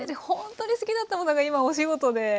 ほんとに好きだったものが今お仕事で。